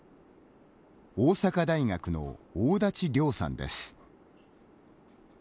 大阪大学の大達亮さんです。